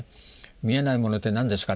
「見えないものって何ですか？」